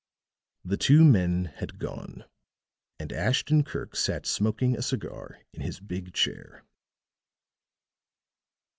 The two men had gone, and Ashton Kirk sat smoking a cigar in his big chair.